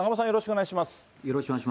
よろしくお願いします。